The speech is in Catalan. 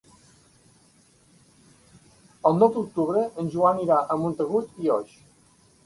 El nou d'octubre en Joan irà a Montagut i Oix.